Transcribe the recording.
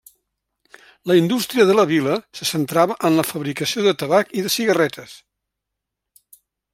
La indústria de la vila se centrava en la fabricació de tabac i de cigarretes.